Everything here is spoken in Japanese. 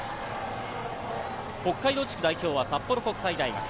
北海道地区代表は札幌国際大学。